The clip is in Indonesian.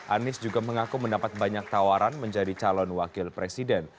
anies juga mengaku mendapat banyak tawaran menjadi calon wakil presiden